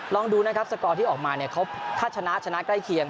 ลองดูนะครับสกอร์ที่ออกมาเนี่ยเขาถ้าชนะชนะใกล้เคียง